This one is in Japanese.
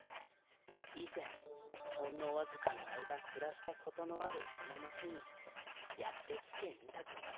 い前ほんのわずかの間くらしたことのあるこの町にやって来てみたくなったのじゃ。